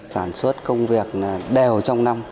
sản xuất công việc đều trong năm